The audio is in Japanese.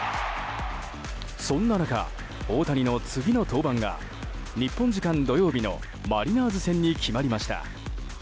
そんな中、大谷の次の登板が日本時間土曜日のマリナーズ戦に決まりました。